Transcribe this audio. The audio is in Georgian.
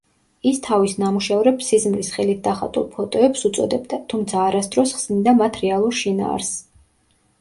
ის თავის ნამუშევრებს სიზმრის ხელით დახატულ ფოტოებს უწოდებდა, თუმცა, არასდროს ხსნიდა მათ რეალურ შინაარსს.